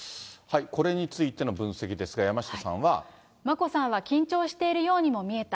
これについての分析ですが、眞子さんは緊張しているようにも見えた。